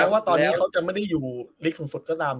มันก็ยังไม่ได้อยู่ลิสต์สูงสุดก็ตาม